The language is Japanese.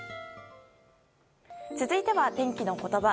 続いては天気のことば。